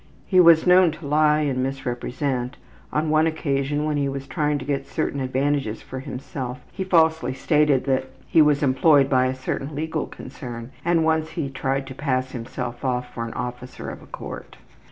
He was known to lie and misrepresent; on one occasion when he was trying to get certain advantages for himself he falsely stated that he was employed by a certain legal concern, and once he tried to pass himself off for an officer of a court.